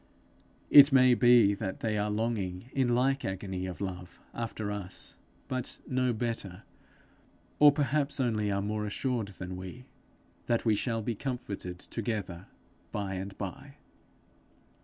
It may be that they are longing in like agony of love after us, but know better, or perhaps only are more assured than we, that we shall be comforted together by and by.